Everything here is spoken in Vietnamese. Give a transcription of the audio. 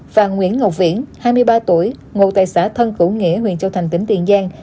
và nguyễn ngọc viễn hai mươi ba tuổi ngụ tại xã thân cửu nghĩa huyện châu thành tỉnh tiền giang